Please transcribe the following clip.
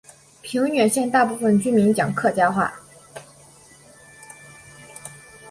平远县大部分居民讲客家话。